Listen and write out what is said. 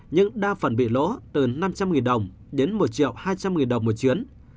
nhưng đa phần bị lỗ từ năm trăm linh đồng đến một triệu hai trăm linh đồng một chuyến